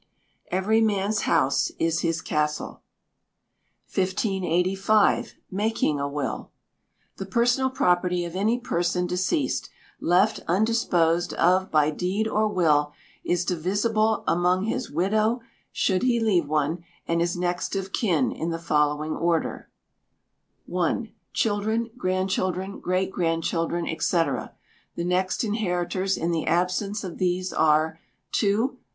[EVERY MAN'S HOUSE IS HIS CASTLE.] 1585. Making a Will. The personal property of any person deceased, left undisposed of by deed or will, is divisible among his widow, should he leave one, and his next of kin, in the following order: i. Children, grandchildren, great grandchildren, &c. The next inheritors, in the absence of these, are, ii.